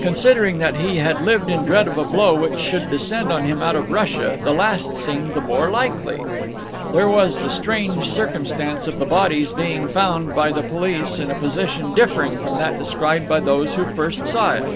Considering that he had lived in dread of a blow which should descend on him out of Russia, the last seemed the more likely. There was the strange circumstance of the body's being found by the police in a position differing from that described by those who first saw it.